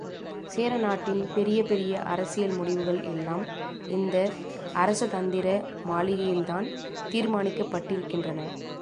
சேர நாட்டின் பெரிய பெரிய அரசியல் முடிவுகள் எல்லாம் இந்த அரசதந்திர மாளிகையில்தான் தீர்மானிக்கப்பட்டிருக்கின்றன.